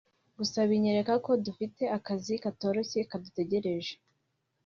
Gusa binyereka ko dufite akazi katoroshye kadutegereje